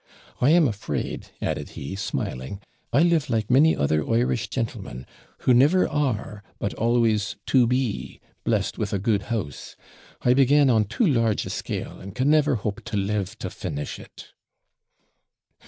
'I am afraid,' added he, smiling, 'I live like many other Irish gentlemen, who never are, but always to be, blest with a good house. I began on too large a scale, and can never hope to live to finish it.'